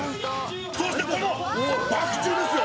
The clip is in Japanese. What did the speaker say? そしてこのバク宙ですよ！